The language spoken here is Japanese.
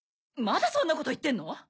まだそんなこと言ってんの！？